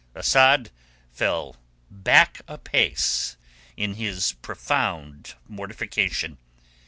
Asad fell back a pace in his profound mortification.